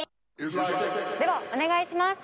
ではお願いします！